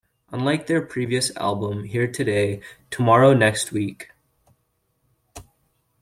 Unlike their previous album, Here Today, Tomorrow Next Week!